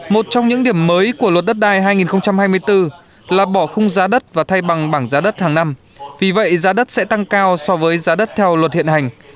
một trong những điểm mới của luật đất đai hai nghìn hai mươi bốn là bỏ khung giá đất và thay bằng bảng giá đất hàng năm vì vậy giá đất sẽ tăng cao so với giá đất theo luật hiện hành